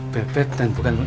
beb beb dan bukan